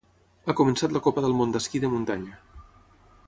Ha començat la Copa del Món d'esquí de muntanya.